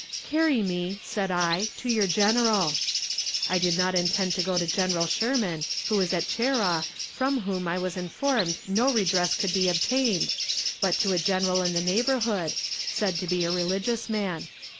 'Carry me,' said I, 'to your General.' I did not intend to go to General Sherman, who was at Cheraw, from whom, I was informed, no redress could be obtained, but to a general in the neighborhood, said to be a religious man.